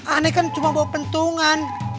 aneh kan cuma bawa pentungan